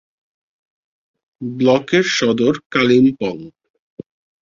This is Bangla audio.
ব্লকের সদর কালিম্পং।